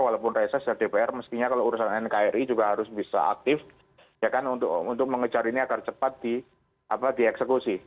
walaupun rss dan dpr meskinya kalau urusan nkrir juga harus bisa aktif ya kan untuk mengejar ini agar cepat dieksekusi